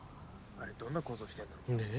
あれどんな構造してんだろねえ